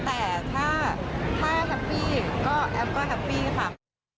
แต่ถ้าแฮปปี้ก็แอฟก็แฮปปี้ค่ะ